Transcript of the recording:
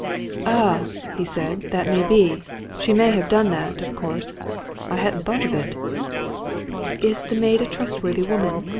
"Ah!" he said. "That may be! She may have done that, of course. I hadn't thought of it." "Is the maid a trustworthy woman?"